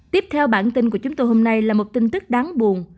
tiếp theo bản tin của chúng tôi hôm nay là một tin tức đáng buồn